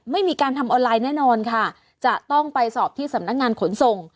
ไม่มีการทำออนไลน์แน่นอนค่ะจะต้องไปสอบที่สำนักงานขนส่ง